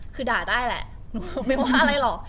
คือด่าได้แหละหนูไม่ว่าอะไรหรอก